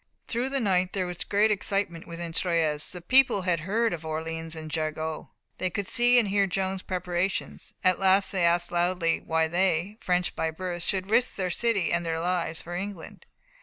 Through that night there was great excitement within Troyes. The people had heard of Orleans and Jargeau; they could see and hear Joan's preparations. At last they asked loudly why they, French by birth, should risk their city and their lives for England.